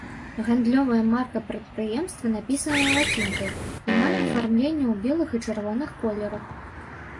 Гандлёвая марка прадпрыемства напісаная лацінкай і мае афармленне ў белых і чырвоных колерах.